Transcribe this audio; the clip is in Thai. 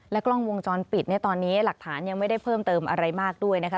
กล้องวงจรปิดเนี่ยตอนนี้หลักฐานยังไม่ได้เพิ่มเติมอะไรมากด้วยนะคะ